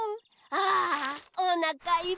ああおなかいっぱい！